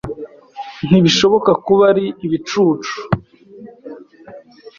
Ntibishobora kuba ari ibicucu.